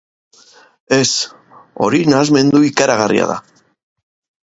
Ez, hori nahasmendu ikaragarria da.